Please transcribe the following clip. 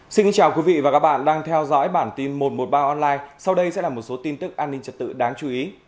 xin kính chào quý vị và các bạn đang theo dõi bản tin một trăm một mươi ba online sau đây sẽ là một số tin tức an ninh trật tự đáng chú ý